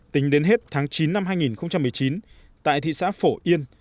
tính đến hết tháng chín năm hai nghìn một mươi chín tại thị xã phổ yên